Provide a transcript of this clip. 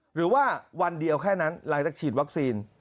หรือว่าวันเดียวแค่นั้นหลังจากฉีดวัคซีน